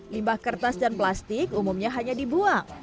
limbah kertas dan plastik umumnya hanya dibuang